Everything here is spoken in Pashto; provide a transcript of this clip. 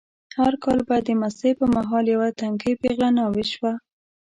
هر کال به د مستۍ په مهال یوه تنکۍ پېغله ناوې شوه.